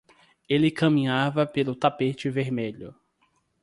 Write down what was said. Ele caminhava pelo tapete vermelho.